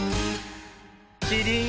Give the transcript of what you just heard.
キリン！